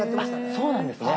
そうなんですね。